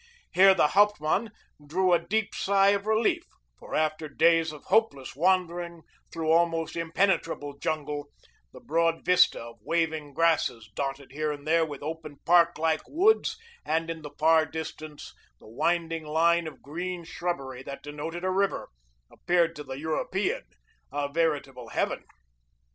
Here the hauptmann drew a deep sigh of relief, for after days of hopeless wandering through almost impenetrable jungle the broad vista of waving grasses dotted here and there with open park like woods and in the far distance the winding line of green shrubbery that denoted a river appeared to the European a veritable heaven.